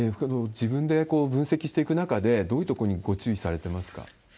自分で分析していく中で、どういうところにご注意されてますか？